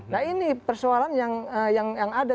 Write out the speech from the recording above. nah ini persoalan yang ada